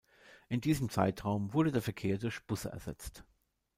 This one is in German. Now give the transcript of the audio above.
In diesem Zeitraum wurde der Verkehr durch Busse ersetzt.